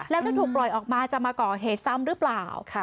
แล้วถ้าถูกปล่อยออกมาจะมาก่อเหตุซ้ำหรือเปล่า